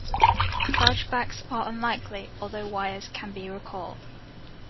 Chargebacks are unlikely, although wires can be recalled.